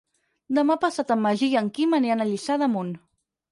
Demà passat en Magí i en Quim aniran a Lliçà d'Amunt.